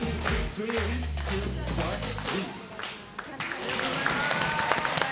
ありがとうございます！